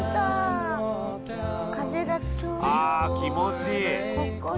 あ気持ちいい。